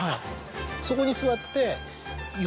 そこに座って。